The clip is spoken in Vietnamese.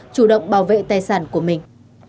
chủ động bảo vệ tài sản của mình